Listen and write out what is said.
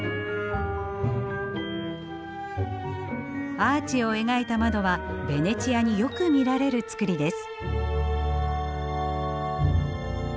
アーチを描いた窓はベネチアによく見られる造りです。